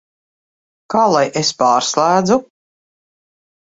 Kā lai es pārslēdzu?